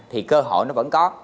thì cơ hội nó vẫn có